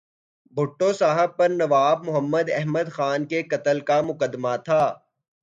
بھٹو صاحب پر نواب محمد احمد خان کے قتل کا مقدمہ تھا۔